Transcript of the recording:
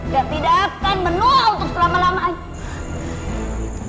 dan tidak akan menua untuk selama lamanya